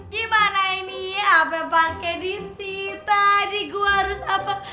gimana ini abah pake disih tadi gue harus apa